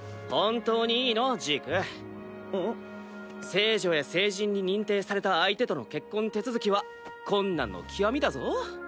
聖女や聖人に認定された相手との結婚手続きは困難の極みだぞ。